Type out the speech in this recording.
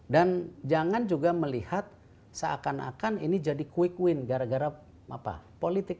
dan jangan juga melihat seakan akan ini jadi quick win gara gara politik